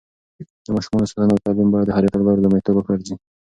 د ماشومانو ساتنه او تعليم بايد د هرې تګلارې لومړيتوب وګرځي.